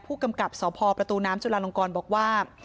ผู้กำกับสพประตูน้ำจุลาลงกรบอกว่า